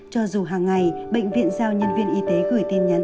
cho dù hàng ngày bệnh viện giao nhân viên y tế gửi tin nhắn